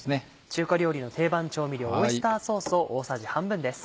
中華料理の定番調味料オイスターソースを大さじ半分です。